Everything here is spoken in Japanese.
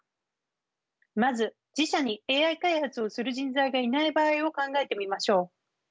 まず自社にＡＩ開発をする人材がいない場合を考えてみましょう。